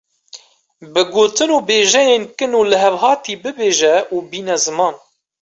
bi gotin û bêjeyên kin û li hevhatî bibêje û bîne ziman.